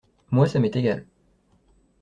Moi ça m’est égal.